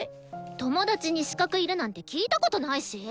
友達に資格いるなんて聞いたことないし！